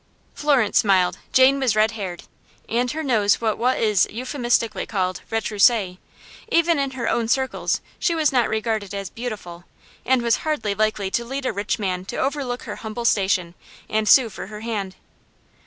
Florence smiled. Jane was red haired, and her nose was what is euphemistically called retrousse. Even in her own circles she was not regarded as beautiful, and was hardly likely to lead a rich man to overlook her humble station, and sue for her hand.